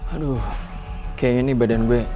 aduh kayaknya nih badan b